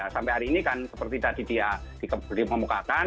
sampai hari ini kan seperti tadi dia dikemukakan